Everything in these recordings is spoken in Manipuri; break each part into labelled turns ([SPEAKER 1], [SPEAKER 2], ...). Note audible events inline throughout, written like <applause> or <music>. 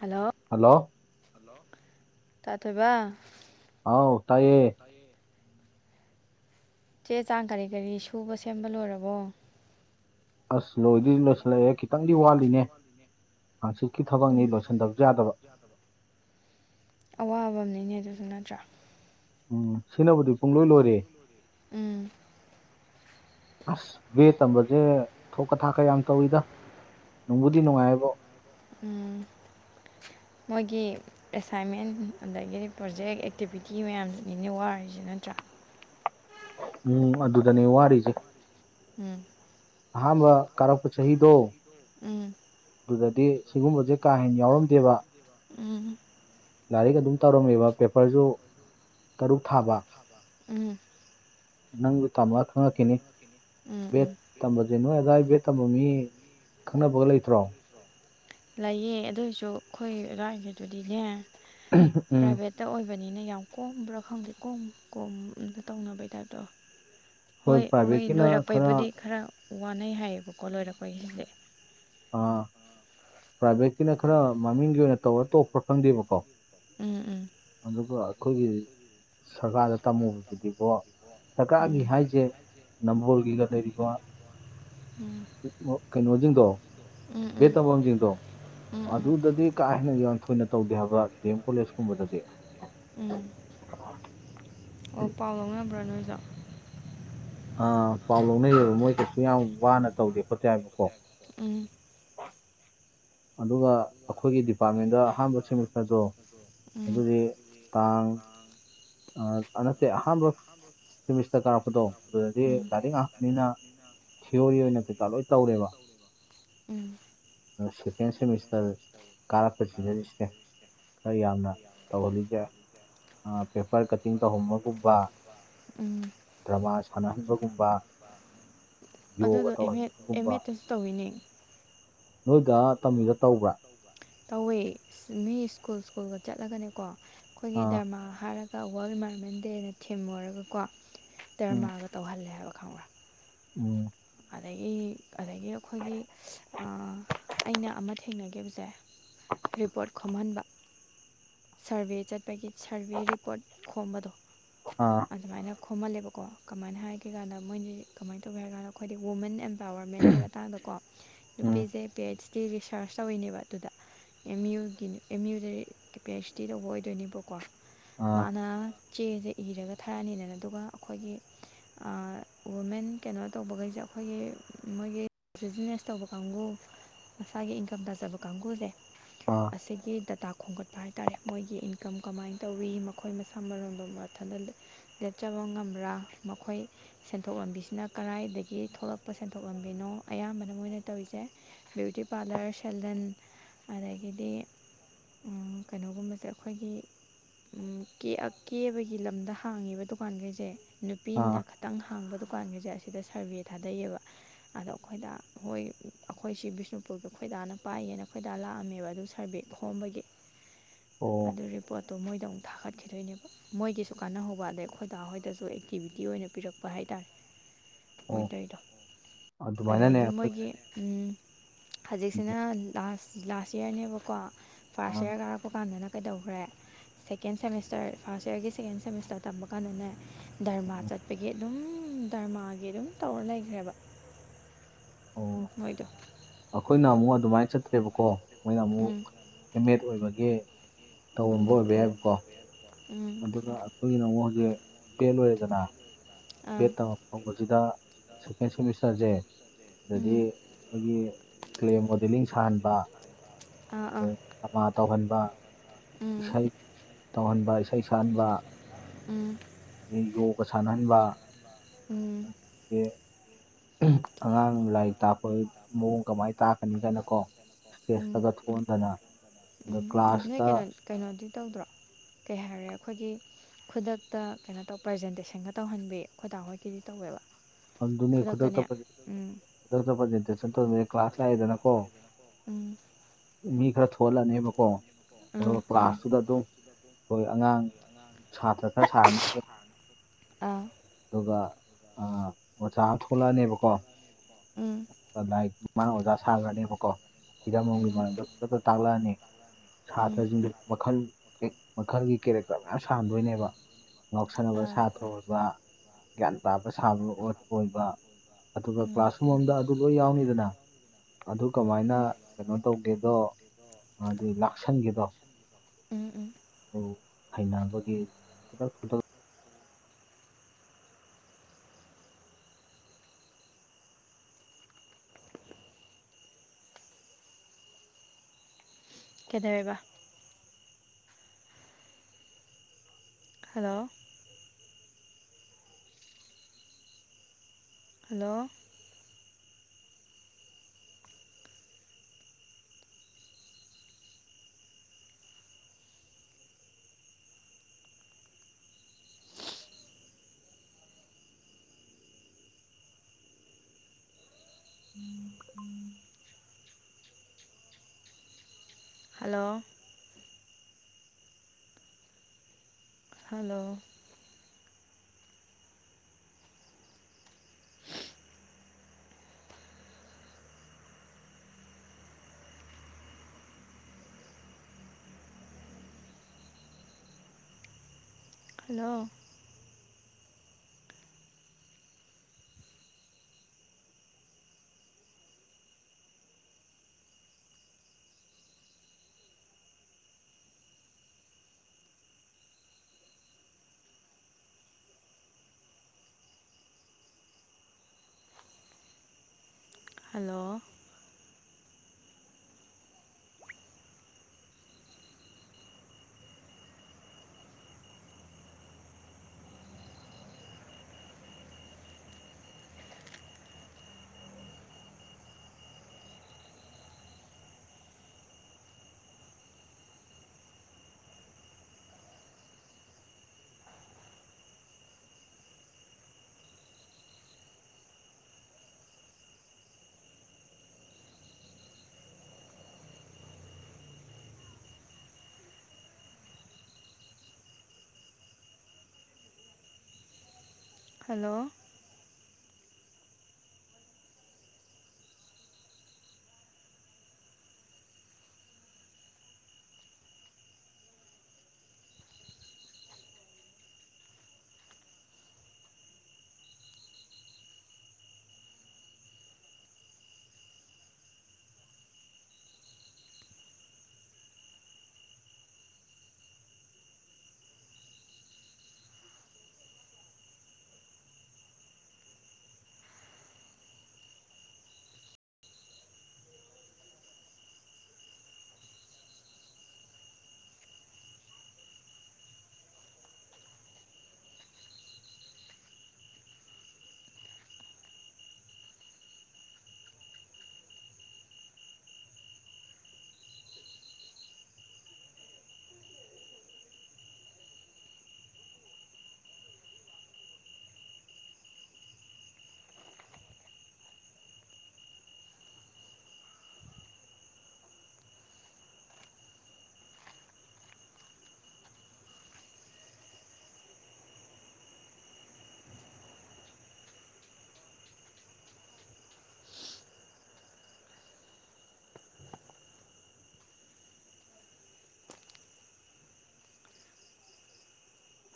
[SPEAKER 1] ꯍꯜꯂꯣ ꯇ ꯇꯣꯏꯕ
[SPEAKER 2] ꯑꯥꯎ ꯇꯥꯏꯌꯦ
[SPEAKER 1] ꯆꯦ ꯆꯥꯡ ꯀꯔꯤ ꯀꯔꯤ ꯁꯨꯕ ꯁꯦꯝꯕ ꯂꯣꯏꯔꯕꯣ
[SPEAKER 2] ꯑꯁ ꯂꯣꯏꯗꯤꯗꯤ ꯂꯣꯏꯁꯤꯜꯂꯛꯑꯦ ꯈꯤꯇꯪꯗꯤ ꯋꯥꯠꯂꯤꯅꯦ ꯍꯥꯡꯆꯤꯠꯀꯤ ꯊꯕꯛꯅꯤ
[SPEAKER 1] ꯎꯝ
[SPEAKER 2] ꯂꯣꯏꯁꯤꯟꯗꯕ ꯌꯥꯗꯕ
[SPEAKER 1] ꯑꯋꯥꯕ ꯑꯃꯅꯦ ꯑꯗꯨꯁꯨ ꯅꯠꯇ꯭ꯔꯥ
[SPEAKER 2] ꯎꯝ ꯁꯤꯅꯕꯨꯗꯤ ꯄꯨꯡꯂꯣꯏ ꯂꯣꯏꯔꯦ
[SPEAKER 1] ꯎꯝ
[SPEAKER 2] ꯑꯁ ꯦꯠ ꯇꯝꯕꯁꯦ ꯊꯣꯛꯀ ꯊꯥꯛꯀ ꯌꯥꯝ ꯇꯧꯋꯤꯗ ꯅꯨꯡꯕꯨꯗꯤ ꯅꯨꯡꯉꯥꯏꯕꯣ
[SPEAKER 1] ꯎꯝ ꯃꯣꯏꯒꯤ ꯑꯦꯁꯥꯏꯟꯃꯦꯟ ꯑꯗꯒꯤꯗꯤ ꯄ꯭ꯔꯣꯖꯦꯛ ꯑꯦꯛꯇꯤꯚꯤꯇꯤ ꯃꯌꯥꯝꯁꯤꯡꯅꯤꯅꯦ ꯋꯥꯔꯔꯤꯁꯤ ꯅꯠꯇ꯭ꯔꯥ
[SPEAKER 2] ꯎꯝ ꯑꯗꯨꯗꯅꯦ ꯋꯥꯔꯤꯁꯦ
[SPEAKER 1] ꯎꯝ
[SPEAKER 2] ꯑꯍꯥꯟꯕ ꯀꯔꯛꯞ ꯆꯍꯤꯗꯣ꯫
[SPEAKER 1] ꯎꯝ꯫
[SPEAKER 2] ꯑꯗꯨꯗꯗꯤ ꯁꯤꯒꯨꯝꯕꯁꯦ ꯀꯥꯍꯦꯟꯅ ꯌꯥꯎꯔꯝꯗꯦꯕ꯫
[SPEAKER 1] ꯎꯝ꯫
[SPEAKER 2] ꯂꯥꯏꯔꯤꯛ ꯑꯗꯨꯝ ꯇꯧꯔꯝꯃꯤꯕ ꯄꯦꯄꯔꯁꯨ ꯇꯔꯨꯛ ꯊꯥꯕ꯫
[SPEAKER 1] ꯎꯝ꯫
[SPEAKER 2] ꯅꯪꯗꯨ ꯇꯝꯃꯒ ꯈꯪꯉꯛꯈꯤꯅꯤ
[SPEAKER 1] ꯎꯝ
[SPEAKER 2] ꯕꯦꯠ꯫
[SPEAKER 1] ꯎꯝ
[SPEAKER 2] ꯇꯝꯕꯁꯦ ꯅꯣꯏ ꯑꯗꯨꯋꯥꯏꯕꯦꯠ ꯇꯝꯕ ꯃꯤ ꯈꯪꯅꯕꯒ ꯂꯩꯇ꯭ꯔꯣ꯫
[SPEAKER 1] ꯂꯩꯌꯦ ꯑꯗꯨꯏꯁꯨ ꯑꯩꯈꯣꯏ ꯑꯗꯩꯏꯒꯤꯗꯨꯗꯤꯅꯦ꯫
[SPEAKER 2] ꯎꯝ꯫
[SPEAKER 1] ꯇ ꯑꯣꯏꯕꯅꯤꯅ ꯌꯥꯝ ꯀꯣꯝꯕ꯭ꯔꯥ ꯈꯪꯗꯦ ꯀꯣꯝ ꯀꯣꯝꯗ ꯇꯧꯅꯕꯩ ꯇꯥꯏꯞꯇꯣ꯫ ꯍꯣꯏ ꯃꯣꯏ ꯂꯣꯏꯔꯛꯄꯩꯕꯨꯗꯤ ꯈꯔ ꯋꯥꯅꯩ ꯍꯥꯏꯌꯦꯕꯀꯣ ꯂꯣꯏꯔꯛꯄꯩꯁꯤꯗꯤ꯫
[SPEAKER 2] ꯑ ꯄ꯭ꯔꯥꯏꯚꯦꯠꯀꯤꯅ ꯈꯔ ꯃꯃꯤꯡꯒꯤ ꯑꯣꯏꯅ ꯇꯧꯔ ꯇꯣꯛꯄ꯭ꯔꯥ ꯈꯪꯗꯦꯕꯀꯣ꯫
[SPEAKER 1] ꯎꯝ
[SPEAKER 2] ꯑꯗꯨꯕꯨ ꯑꯩꯈꯣꯏꯒꯤ ꯁꯔꯀꯥꯔꯗ ꯇꯝꯃꯨꯕꯁꯤꯗꯤꯕꯣ꯫ ꯁꯔꯀꯥꯔꯒꯤ
[SPEAKER 1] ꯎꯝ
[SPEAKER 2] ꯍꯥꯏꯁꯦ ꯅꯝꯕꯣꯜꯒꯤꯒ ꯂꯩꯔꯤꯕ꯫
[SPEAKER 1] ꯎꯝ
[SPEAKER 2] ꯀꯩꯅꯣꯁꯤꯡꯗꯣ꯫
[SPEAKER 1] ꯎꯝ
[SPEAKER 2] ꯕꯦꯇ
[SPEAKER 1] ꯎꯝ
[SPEAKER 2] ꯇꯝꯐꯝ ꯁꯤꯡꯗꯣ꯫
[SPEAKER 1] ꯎꯝ ꯎꯝ
[SPEAKER 2] ꯑꯗꯨꯗꯗꯤ ꯀꯥ ꯍꯦꯟꯅ ꯌꯥꯝ ꯊꯣꯏꯅ ꯇꯧꯗꯦ ꯍꯥꯏꯕ ꯗꯤ ꯑꯦꯝ ꯀꯣꯂꯦꯖ ꯀꯨꯝꯕꯗꯗꯤ꯫
[SPEAKER 1] ꯎꯝ ꯑꯣ ꯄꯥꯎ ꯂꯧꯅꯕ꯭ꯔꯣ ꯅꯣꯏꯖꯨ꯫
[SPEAKER 2] ꯑꯥ ꯄꯥꯎ ꯂꯧꯅꯩꯌꯦꯕ ꯃꯣꯏ ꯀꯩꯁꯨ ꯌꯥꯝ ꯋꯥꯅ ꯇꯧꯗꯦ ꯈꯣꯠꯇꯦ ꯍꯥꯏꯕꯀꯣ꯫
[SPEAKER 1] ꯎꯝ꯫
[SPEAKER 2] ꯑꯗꯨꯒ ꯑꯩꯈꯣꯏꯒꯤ ꯗꯤꯄꯥꯔꯠꯃꯦꯟꯗ ꯑꯍꯥꯟꯕ ꯁꯦꯃꯤꯁꯇꯔꯗꯣ
[SPEAKER 1] ꯎꯝ
[SPEAKER 2] ꯑꯗꯨꯗꯤ ꯇꯥꯡ꯫ ꯅꯠꯇꯦ ꯑꯍꯥꯟꯕ ꯁꯤꯦꯃꯤꯁꯇꯔ ꯀꯥꯔꯛꯄꯗꯣ ꯑꯗꯨꯗꯗꯤ
[SPEAKER 1] ꯎꯝ
[SPEAKER 2] ꯒꯥꯥꯏꯔꯤꯛ ꯉꯥꯛꯇꯅꯤꯅ꯫ ꯊꯤꯑꯣꯔꯤ ꯑꯣꯏꯅ ꯀꯩꯀꯥ ꯂꯣꯏ ꯇꯧꯔꯦꯕ꯫
[SPEAKER 1] ꯎꯝ꯫
[SPEAKER 2] ꯁꯦꯀꯦꯟ ꯁꯦꯃꯤꯁꯇꯔ ꯀꯥꯔꯛꯄ ꯁꯤꯗꯔꯤꯁꯤꯅꯦ꯫ ꯈꯔ ꯌꯥꯝꯅ ꯇꯧꯍꯜꯂꯤꯁꯦ꯫ ꯄꯦꯄꯔ ꯀꯇꯤꯡ ꯇꯧꯍꯕꯒꯨꯝꯕ꯫
[SPEAKER 1] ꯎꯝ꯫
[SPEAKER 2] ꯗ꯭ꯔꯃꯥ ꯁꯥꯟꯅꯍꯟꯕꯒꯨꯝꯕ꯫ ꯌꯣꯒ
[SPEAKER 1] ꯑꯗꯨꯗꯣ ꯑꯦꯝ ꯑꯦꯗ ꯑꯦꯝ
[SPEAKER 2] ꯇꯧꯍꯟꯕꯒꯨꯝꯕ
[SPEAKER 1] ꯑꯦꯗꯠꯇꯁꯨ ꯇꯧꯋꯤꯅꯦ꯫
[SPEAKER 2] ꯅꯣꯏꯒ ꯇꯝꯃꯤꯒ ꯇꯧꯕ꯭ꯔꯥ꯫
[SPEAKER 1] ꯇꯧꯋꯦ ꯃꯤ ꯁ꯭ꯀꯨꯜ ꯁ꯭ꯀꯨꯜꯒ ꯆꯠꯂꯒꯅꯦꯀꯣ ꯑꯩꯈꯣꯏꯒꯤ
[SPEAKER 2] ꯑꯥ
[SPEAKER 1] ꯗꯔꯃꯥ ꯍꯥꯏꯔꯒ꯫ ꯋꯥꯔꯜ ꯏꯟꯚꯥꯏꯔꯣꯟꯃꯦꯟ ꯗꯦꯅ ꯊꯤꯝ ꯑꯣꯏꯔꯒꯀꯣ
[SPEAKER 2] ꯎꯝ
[SPEAKER 1] ꯗꯔꯃꯥꯒ ꯇꯧꯍꯜꯂꯦ ꯍꯥꯏꯕ ꯈꯪꯕ꯭ꯔ꯫
[SPEAKER 2] ꯎꯝ꯫
[SPEAKER 1] ꯑꯗꯒꯤ ꯑꯗꯒꯤ ꯑꯩꯈꯣꯏꯒꯤ ꯑꯩꯅ ꯑꯃ ꯊꯦꯡꯅꯈꯤꯕꯁꯦ꯫ ꯔꯤꯄꯣꯔꯠ ꯈꯣꯝꯃꯍꯥꯟꯕ꯫ ꯁꯔꯚꯦ ꯆꯠꯄꯒꯤ ꯁꯔꯚꯦ ꯔꯤꯄꯣꯔꯠ ꯈꯣꯝꯕꯗꯣ꯫
[SPEAKER 2] ꯑ꯫
[SPEAKER 1] ꯑꯗꯨꯃꯥꯏꯅ ꯈꯣꯝꯍꯜꯂꯦꯕꯀꯣ ꯀꯃꯥꯏꯅ ꯍꯥꯏꯒꯦ ꯀꯥꯟꯗ ꯃꯣꯏꯗꯤ ꯀꯃꯥꯏꯅ ꯇꯧꯒꯦ ꯍꯥꯏ ꯀꯥꯟꯗ ꯑꯩꯈꯣꯏꯗꯤ ꯋꯨꯃꯦꯟ ꯑꯦꯝ꯫ ꯒꯕꯔꯃꯦꯟꯒꯤ ꯃꯇꯥꯡꯗꯀꯣ
[SPEAKER 2] ꯎꯝ
[SPEAKER 1] ꯅꯨꯄꯤꯁꯦ ꯄꯤ ꯑꯩꯆ ꯗꯤ ꯔꯤꯁꯔꯁ ꯇꯧꯋꯤꯅꯦꯕ ꯑꯗꯨꯗ꯫ ꯑꯦꯝ ꯌꯨꯒꯤ ꯑꯦꯝ ꯌꯨꯗ ꯄꯦꯁꯇꯤ ꯇꯧꯕ ꯑꯣꯏꯗꯣꯏꯅꯦꯕꯀꯣ
[SPEAKER 2] ꯑꯥ
[SPEAKER 1] ꯃꯥꯅ꯫ ꯆꯦꯗ ꯏꯔꯒ ꯊꯥꯔꯛꯑꯅꯤꯗꯅ ꯑꯗꯨꯒ ꯑꯩꯈꯣꯏꯒꯤ ꯋꯨꯃꯦꯟ ꯀꯩꯅꯣ꯫ ꯇꯧꯕꯈꯩꯁꯦ ꯑꯩꯈꯣꯏꯒꯤ ꯃꯣꯏꯒꯤ ꯕꯤꯖꯤꯅꯦꯁ ꯇꯧꯕ ꯀꯥꯡꯕꯨ꯫ ꯃꯁꯥꯒꯤ ꯏꯟꯀꯝ ꯇꯥꯖꯕ ꯀꯥꯡꯕꯨꯁꯦ꯫
[SPEAKER 2] ꯑ꯫
[SPEAKER 1] ꯑꯁꯤꯒꯤꯒꯤ ꯗꯇꯥ ꯈꯣꯝꯒꯠꯄ ꯍꯥꯏꯇꯥꯥꯔꯦ ꯃꯣꯏꯒꯤ ꯏꯟꯀꯝ ꯀꯃꯥꯏꯅ ꯇꯧꯋꯤ ꯃꯈꯣꯏ ꯃꯁꯥ ꯃꯔꯣꯟꯗ ꯃꯊꯗ꯫ ꯂꯦꯠꯆꯕ ꯉꯝꯕ꯭ꯔꯥ ꯃꯈꯣꯏ ꯁꯦꯟꯊꯣꯛ ꯂꯝꯕꯤꯁꯤꯅ꯫ ꯀꯗꯥꯏꯗꯒꯤ ꯊꯣꯛꯂꯛꯄ ꯁꯦꯟꯗꯣꯛꯂꯝꯕꯤꯅꯣ ꯑꯌꯥꯝꯕꯅ ꯃꯣꯏꯅ ꯇꯧꯔꯤꯁꯦ꯫ ꯕꯌꯨꯇꯤ ꯄꯥꯔꯂꯔ ꯁꯦꯜꯗꯟ ꯑꯗꯒꯤꯗꯤ꯫ ꯀꯩꯅꯣꯒꯨꯝꯕꯖꯦ ꯑꯈꯣꯏꯒꯤ ꯎꯝ ꯀꯦ ꯑ ꯀꯦꯕꯒꯤ ꯂꯝꯗ ꯍꯥꯡꯉꯤꯕ ꯗꯨꯀꯥꯟꯒꯩꯁꯦ ꯅꯨꯄꯤꯅ
[SPEAKER 2] ꯑꯥ
[SPEAKER 1] ꯈꯇꯪ ꯍꯥꯡꯕ ꯗꯨꯀꯥꯟꯒꯤꯖꯦ ꯑꯁꯤꯗ ꯁꯔꯚꯦ ꯊꯥꯗꯩꯑꯕ ꯑꯗ ꯑꯈꯣꯏꯗ ꯍꯣꯏ ꯑꯈꯣꯏꯁꯤ ꯕꯤꯁꯅꯨꯄꯨꯔꯗ ꯈꯣꯏꯗꯥꯅ ꯄꯥꯏꯌꯦꯅ ꯑꯈꯣꯏꯗꯥ ꯂꯥꯛꯑꯝꯃꯦꯕ ꯑꯗꯨ ꯁꯔꯚꯦ ꯈꯣꯝꯕꯒꯤ
[SPEAKER 2] ꯑꯣ
[SPEAKER 1] ꯑꯗꯨ ꯔꯦ ꯄꯣꯠꯇꯣ ꯃꯣꯏꯗ ꯑꯃꯨꯛ ꯊꯥꯒꯠꯈꯤꯗꯣꯏꯅꯦꯕ ꯃꯣꯏꯒꯤꯁꯨ ꯀꯥꯟꯅꯍꯧꯕ ꯑꯗꯩ ꯑꯩꯈꯣꯏ ꯗꯥ ꯍꯣꯢꯗꯁꯨ ꯑꯦꯛꯇꯤꯕꯤꯇꯤ ꯑꯣꯏꯅ ꯄꯤꯔꯛꯄ ꯍꯥꯏꯇꯥꯔꯦ ꯃꯣꯏꯅ
[SPEAKER 2] ꯑꯣ
[SPEAKER 1] ꯇꯧꯔꯤꯗꯣ
[SPEAKER 2] ꯑꯗꯨꯃꯥꯏꯅꯅꯦ
[SPEAKER 1] ꯑꯗꯨꯗꯒꯤ
[SPEAKER 2] ꯑꯩꯈꯣꯏ
[SPEAKER 1] ꯃꯣꯏꯒꯤ ꯎꯝ ꯍꯖꯤꯛꯁꯤꯅꯥ ꯂꯥꯁ ꯂꯥꯋ ꯌꯥꯔꯅꯦꯕꯀꯣ ꯐꯥꯔꯁ
[SPEAKER 2] ꯑꯥ
[SPEAKER 1] ꯌꯥꯔ ꯀꯥꯏꯔꯛ ꯄ ꯀꯥꯟꯗꯅ ꯀꯩꯗꯧꯒ꯭ꯔꯦ ꯁꯦꯀꯦꯟ ꯁꯦꯃꯤꯁꯇꯔ ꯐꯥꯔꯁ ꯏꯌꯥꯔꯒꯤ ꯁꯦꯀꯦꯟ ꯁꯦꯃꯤꯁꯇꯔ ꯇꯝꯕ ꯀꯥꯟꯗꯅꯦ ꯗꯔꯃꯥ
[SPEAKER 2] ꯎꯝ
[SPEAKER 1] ꯆꯠꯄꯒꯤ ꯑꯗꯨꯝ ꯗꯔꯃꯥꯒꯤ ꯑꯗꯨꯝ ꯇꯧꯔ ꯂꯩꯈ꯭ꯔꯦꯕ ꯃꯣꯏꯗꯣ
[SPEAKER 2] ꯑꯈꯣꯏꯅ ꯑꯃꯨꯛ ꯑꯗꯨꯃꯥꯏꯅ ꯆꯠꯇ꯭ꯔꯦꯕꯀꯣ ꯃꯣꯏꯅ ꯑꯃꯨꯛ
[SPEAKER 1] ꯎꯝ
[SPEAKER 2] ꯑꯦꯝ ꯑꯦꯗ ꯑꯣꯏꯕꯒꯤ ꯇꯧꯔꯝꯕ
[SPEAKER 1] ꯎꯝ
[SPEAKER 2] ꯑꯣꯏꯕ ꯌꯥꯏꯕꯀꯣ
[SPEAKER 1] ꯎꯝ
[SPEAKER 2] ꯑꯗꯨꯅ ꯑꯩꯈꯣꯏꯒꯤꯅ ꯑꯃ ꯑꯃꯛ ꯍꯧꯖꯤꯛ ꯕꯦꯗ ꯂꯣꯏꯔꯦꯗꯅ
[SPEAKER 1] ꯑꯥ
[SPEAKER 2] ꯕꯦꯠ ꯇꯉꯛꯄꯕꯁꯤꯗ ꯁꯦꯀꯦꯟ ꯁꯦꯃꯤꯁꯇꯔꯖꯦ ꯑꯗꯗꯤ
[SPEAKER 1] ꯎꯝ
[SPEAKER 2] ꯑꯩꯈꯣꯏꯒꯤ ꯀ꯭ꯂꯦ ꯃꯣꯗꯦꯂꯤꯡ ꯁꯥꯍꯟꯕ
[SPEAKER 1] ꯑꯥ ꯑꯥ
[SPEAKER 2] ꯗ꯭ꯔꯃꯥ ꯇꯧꯍꯟꯕ
[SPEAKER 1] ꯎꯝ
[SPEAKER 2] ꯏꯁꯩ ꯇꯧꯍꯟꯕ ꯏꯁꯩ ꯁꯛꯍꯟꯕ
[SPEAKER 1] ꯎꯝ
[SPEAKER 2] ꯑꯗꯒꯤ ꯌꯣꯒꯥ ꯁꯥꯟꯅꯍꯟꯕ
[SPEAKER 1] ꯎꯝ
[SPEAKER 2] ꯑꯗꯒꯤ ꯑꯉꯥꯡ ꯂꯥꯏꯔꯤꯛ ꯇꯥꯛꯄ ꯃꯑꯣꯡ ꯀꯃꯥꯏ ꯇꯥꯛꯀꯅꯤ ꯀꯥꯏꯅ ꯀꯣ
[SPEAKER 1] ꯎꯝ
[SPEAKER 2] ꯁꯇꯦꯁꯇꯒ ꯊꯣꯛꯍꯟꯗꯅ ꯑꯗꯣ
[SPEAKER 1] ꯎꯝ ꯅꯣꯏ
[SPEAKER 2] ꯀ꯭ꯂꯥꯁꯇ
[SPEAKER 1] ꯀꯩꯅꯣ ꯀꯩꯅꯣꯗꯤ ꯇꯧꯗ꯭ꯔꯣ ꯀꯩ ꯍꯥꯏꯔꯦ ꯑꯩꯈꯣꯏꯒꯤ ꯈꯨꯗꯛꯇ ꯀꯩꯅꯣ ꯇꯧ ꯄ꯭ꯔꯖꯦꯟꯇꯦꯁꯟꯒ ꯇꯧꯍꯟꯕꯤ ꯈꯣꯢ ꯗꯥ ꯍꯣꯏꯒꯤꯗꯤ ꯇꯧꯋꯦꯕ
[SPEAKER 2] ꯑꯗꯨꯅꯦ ꯈꯨꯗꯛꯇ
[SPEAKER 1] ꯈꯨꯗꯛꯇꯅꯦ
[SPEAKER 2] ꯄ꯭ꯔꯥꯖꯦꯟ
[SPEAKER 1] ꯎꯝ
[SPEAKER 2] ꯈꯨꯗꯛꯇ ꯄꯖꯦꯟꯇꯦꯁꯟ ꯇꯧꯍꯟ ꯀ꯭ꯂꯥꯁ ꯂꯥꯛꯑꯗꯅ ꯀꯣ
[SPEAKER 1] ꯎꯝ
[SPEAKER 2] ꯃꯤ ꯈꯔ ꯊꯣꯛꯍꯜꯂꯅꯤꯕꯀꯣ
[SPEAKER 1] ꯎꯝ
[SPEAKER 2] ꯑꯗꯨꯒ ꯀ꯭ꯂꯥꯁꯇꯨꯗ ꯑꯗꯨꯝ ꯈꯣꯏ ꯑꯉꯥꯡ ꯁꯥꯇꯔ ꯈꯔ ꯁꯥꯔꯅꯤ
[SPEAKER 1] ꯑꯥ
[SPEAKER 2] ꯑꯗꯨꯒ ꯑ ꯑꯣꯖꯥ ꯊꯣꯛꯂꯛꯑꯅꯤꯕꯀꯣ
[SPEAKER 1] ꯎꯝ
[SPEAKER 2] ꯂꯥꯏꯔꯤꯛ ꯃꯥꯅ ꯑꯣꯖꯥ ꯁꯥꯒꯔꯅꯤꯕꯀꯣ ꯍꯤꯔꯝ <unintelligible>
[SPEAKER 1] ꯎꯝ
[SPEAKER 2] ꯃꯔꯝꯗ ꯇꯥꯛꯂꯛꯑꯅꯤ
[SPEAKER 1] ꯎꯝ
[SPEAKER 2] ꯁꯥꯇ꯭ꯔꯁꯤꯡꯖꯦ ꯃꯈꯜ ꯃꯈꯜꯒꯤ ꯀꯦꯔꯦꯛꯇꯔ ꯃꯌꯥꯝ ꯁꯥꯍꯟꯗꯣꯏꯅꯦꯕ ꯉꯥꯎꯁꯟꯅꯕ
[SPEAKER 1] ꯑꯥ
[SPEAKER 2] ꯁꯥꯇ꯭ꯔ ꯑꯣꯏꯕ ꯒ꯭ꯌꯥꯟ ꯇꯥꯕ ꯁꯥꯕ ꯑꯣꯏꯕ ꯑꯗꯨꯒ
[SPEAKER 1] ꯎꯝ
[SPEAKER 2] ꯀ꯭ꯂꯥꯁꯔꯨꯝ ꯑꯃꯗ ꯑꯗꯨ ꯂꯣꯏ ꯌꯥꯎꯅꯤꯗꯅ ꯑꯗꯨ ꯀꯃꯥꯏꯅ
[SPEAKER 1] ꯎꯝ
[SPEAKER 2] ꯀꯩꯅꯣ ꯇꯧꯒꯦꯗꯣ ꯑꯗꯨ ꯂꯥꯛꯁꯟꯒꯦꯗꯣ
[SPEAKER 1] ꯎꯝ ꯎꯝ
[SPEAKER 2] ꯑꯗꯨ ꯍꯩꯅꯕꯒꯤ ꯈꯨꯗꯛ ꯈꯨꯗꯛ
[SPEAKER 1] ꯀꯩꯖꯧꯑꯕ hello hello <inaudible> hello hello <inaudible> hello hello hello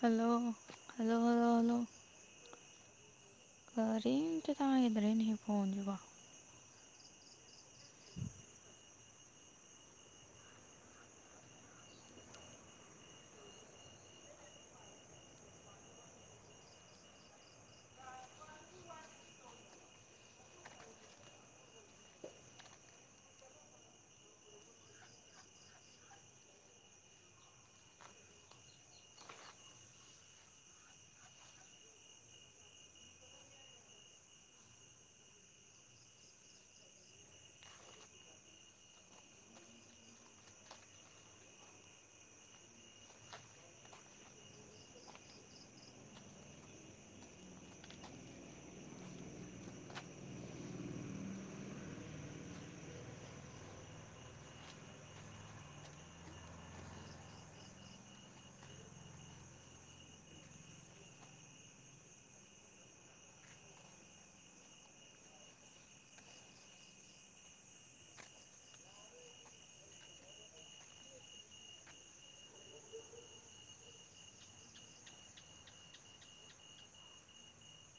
[SPEAKER 1] hello hello hello hello ꯀꯔꯤꯝꯇ ꯇꯥꯒꯤꯗ꯭ꯔꯦꯅꯦ ꯈꯣꯟꯖꯤꯕꯣ <inaudible>